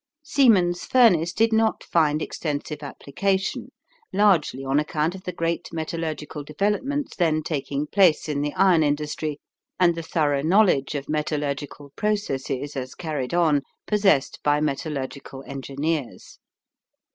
Siemens' furnace did not find extensive application, largely on account of the great metallurgical developments then taking place in the iron industry and the thorough knowledge of metallurgical processes as carried on, possessed by metallurgical engineers.